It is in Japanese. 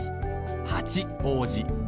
八王子